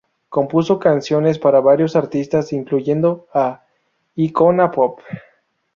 Compuso canciones para varios artistas, incluyendo a Icona Pop.